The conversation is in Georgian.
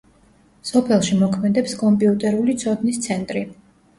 სოფელში მოქმედებს კომპიუტერული ცოდნის ცენტრი.